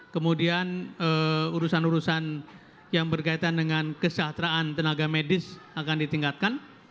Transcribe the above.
kemudian urusan urusan yang berkaitan dengan kesejahteraan tenaga medis akan ditingkatkan